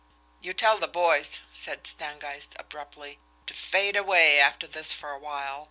"You tell the boys," said Stangeist abruptly, "to fade away after this for a while.